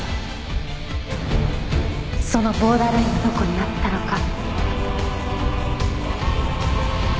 そのボーダーラインがどこにあったのか。